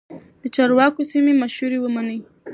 د چارواکو سمې مشورې ومنئ.